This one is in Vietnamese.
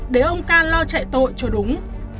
để ông ca lo chạy tội cho đúng